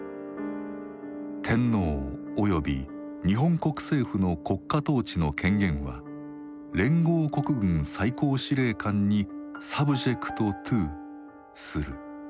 天皇および日本国政府の国家統治の権限は連合国軍最高司令官に「ｓｕｂｊｅｃｔｔｏ」する。